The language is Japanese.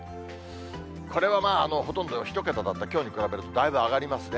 これはまあ、ほとんど１桁だったきょうに比べるとだいぶ上がりますね。